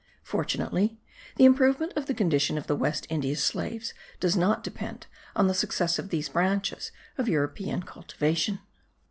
Fortunately the improvement of the condition of the West India slaves does not depend on the success of these branches of European cultivation.